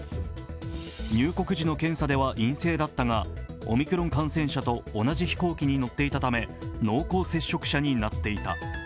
入国時の検査では陰性だったがオミクロン感染者と同じ飛行機に乗っていたため濃厚接触者になっていた。